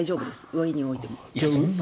上に置いても。